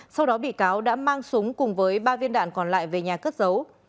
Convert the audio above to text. sau đó bị cáo đã mang súng cùng với ba viên đạn còn lại về nhà cất giấu